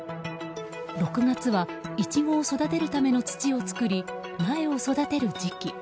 ６月はイチゴを育てるための土を作り苗を育てる時期。